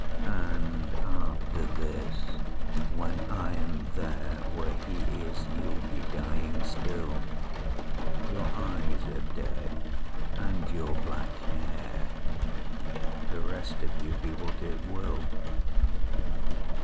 "And after this when I am there Where he is, you'll be dying still. Your eyes are dead, and your black hair, The rest of you be what it will.